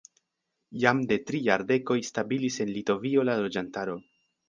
Jam de tri jardekoj stabilis en Litovio la loĝantaro.